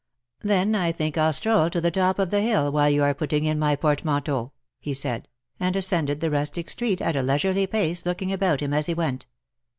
" Then I think I'll stroll to the top of the hill while you are putting in my portmanteaux/' he said, and ascended the rustic street at a leisurely pace, looking about him as he went.